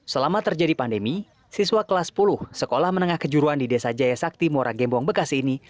selama terjadi pandemi siswa kelas sepuluh sekolah menengah kejuruan di desa jaya sakti mora gembong bekasi ini